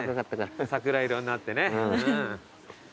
桜色になってね。